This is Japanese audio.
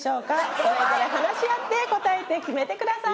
それぞれ話し合って答えて決めてください。